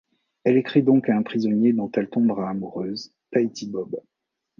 Elle écrit donc à un prisonnier dont elle tombera amoureuse, Tahiti Bob.